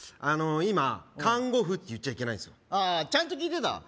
あの今「看護婦」って言っちゃいけないんすよああちゃんと聞いてた？